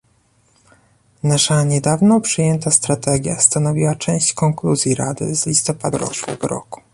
Nasza niedawno przyjęta strategia stanowiła część konkluzji Rady z listopada zeszłego roku